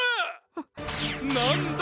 なんだ？